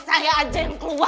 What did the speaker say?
saya aja yang keluar